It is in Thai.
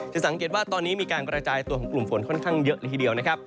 สังเกตว่าตอนนี้มีการกระจายตัวของกลุ่มฝนค่อนข้างเยอะเลยทีเดียวนะครับ